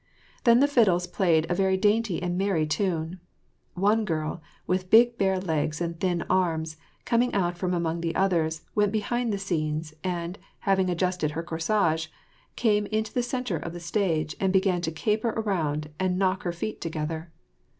Then the fiddles played a very dainty and merry tune. One girl, with big bare legs and thin arms, coming out from among the others, went behind the scenes, and, having adjusted her corsage, came into the centre of the stage, and began to caper about and knock her feet together.